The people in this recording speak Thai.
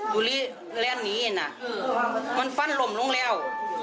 ดูแลหนีนะมันฟันลมลงแล้ว